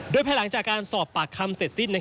โดยภายหลังจากการสอบปากคำเสร็จสิ้น